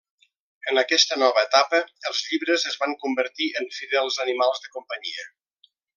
En aquesta nova etapa, els llibres es van convertir en fidels animals de companyia.